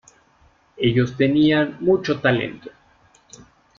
Ellos tenían mucho talento.